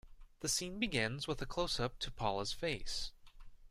The scene begins with a closeup to Paula's face.